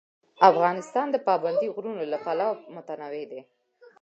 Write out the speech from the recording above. افغانستان د پابندی غرونه له پلوه متنوع دی.